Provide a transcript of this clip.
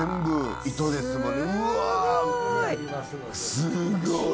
すごい！